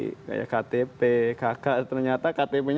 soalnya itu udah biasanya diketuk tadi